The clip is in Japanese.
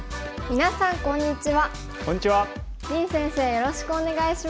みなさんこんにちは。